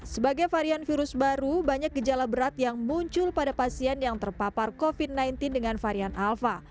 sebagai varian virus baru banyak gejala berat yang muncul pada pasien yang terpapar covid sembilan belas dengan varian alpha